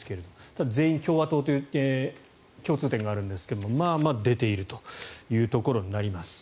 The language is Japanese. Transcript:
ただ、全員共和党という共通点があるんですがまあまあ出ているというところになります。